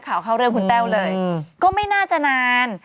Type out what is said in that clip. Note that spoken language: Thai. ข่าวเข้าเรื่องคุณแต้วเลยก็ไม่น่าจะนาน